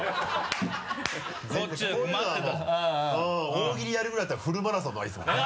大喜利やるぐらいだったらフルマラソンのほうがいいですもんね。